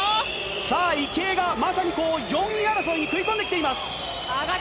池江が４位争いに食い込んできています。